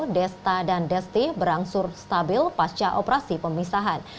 desta dan desti berangsur stabil pasca operasi pemisahan